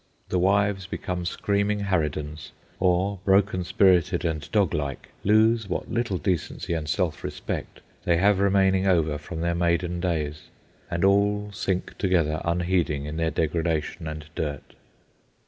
The wives become screaming harridans or, broken spirited and doglike, lose what little decency and self respect they have remaining over from their maiden days, and all sink together, unheeding, in their degradation and dirt.